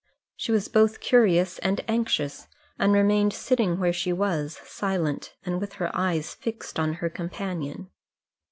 She was both curious and anxious, and remained sitting where she was, silent, and with her eyes fixed on her companion.